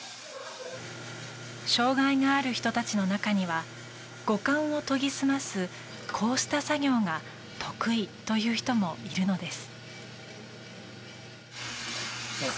障害がある人たちの中には五感を研ぎ澄ますこうした作業が得意という人もいるのです。